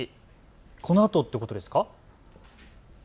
このあとってことですか。